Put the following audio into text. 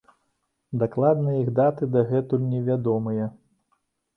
Дакладныя іх даты дагэтуль невядомыя.